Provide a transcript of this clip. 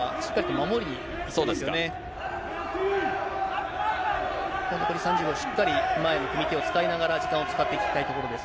もう残り３０秒、しっかり前に組手を使いながら、時間を使っていきたいところです